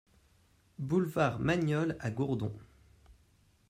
Boulevard Mainiol à Gourdon